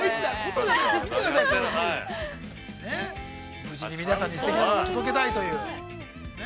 無事に皆さんにすてきなショーを届けたいという。